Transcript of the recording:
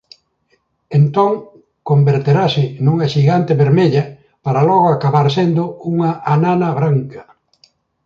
Entón converterase nunha xigante vermella para logo acabar sendo unha anana branca.